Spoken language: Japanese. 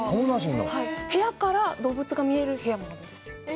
部屋から動物が見える部屋もあるんです。